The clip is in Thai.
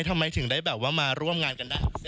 ทำไมถึงได้มาร่วมงานกันได้